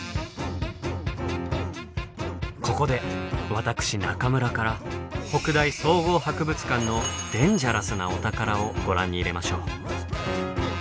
ここで私中村から北大総合博物館のデンジャラスなお宝をご覧に入れましょう。